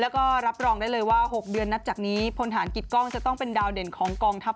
การแซวแฟนหนุ่มตบท้ายด้วยนะครับบอกว่า